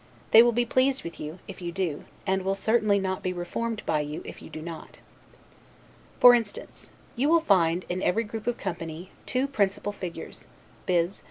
They will be pleased with you, if you do; and will certainly not be reformed by you if you do not. For instance: you will find, in every group of company, two principal figures, viz.